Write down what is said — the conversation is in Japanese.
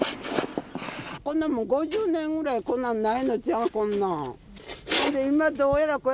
こんなもう５０年ぐらい、こんなんないのちゃう？